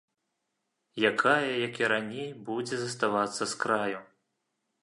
Якая, як і раней, будзе заставацца з краю.